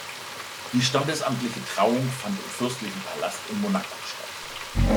Die standesamtliche Trauung fand im fürstlichen Palast in Monaco statt.